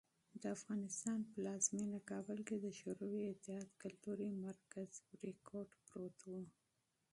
د افغانستان پلازمېنه کابل کې د شوروي اتحاد کلتوري مرکز "بریکوټ" پروت و.